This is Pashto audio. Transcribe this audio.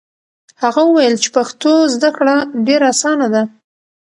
هغه وویل چې پښتو زده کړه ډېره اسانه ده.